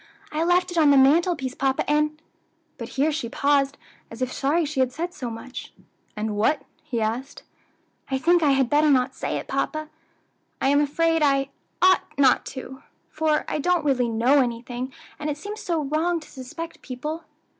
I left it on the mantelpiece, papa, and " But here she paused, as if sorry she had said so much. "And what?" he asked. "I think I had better not say it, papa! I'm afraid I ought not, for I don't really know anything, and it seems so wrong to suspect people."